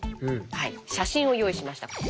写真を用意しました。